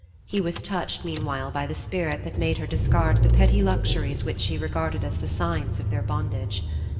He was touched, meanwhile, by the spirit that made her discard the petty luxuries which she regarded as the signs of their bondage.